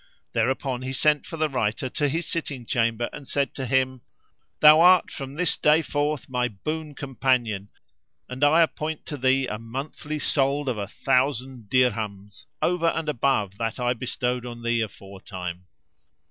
Thereupon he sent for the writer to his sitting chamber and said to him, "Thou art from this day forth my boon companion and I appoint to thee a monthly solde of a thousand dirhams, over and above that I bestowed on thee aforetime."